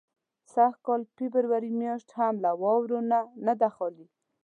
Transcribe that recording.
سږ کال فبروري میاشت هم له واورو نه ده خالي.